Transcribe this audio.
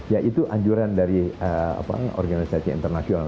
ya itu anjuran dari organisasi internasional